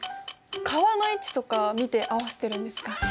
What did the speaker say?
川の位置とか見て合わせているんですか？